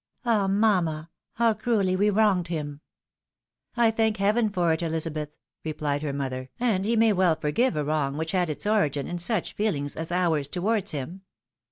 " Ah, mamma ! how cruelly we wronged him !"" I thank heaven for it, Elizabeth," replied her mother, "and he may well forgive a wrong which had its origin in such feel ings as ours towards him."